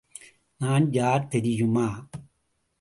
நான் யார் தெரியுமா?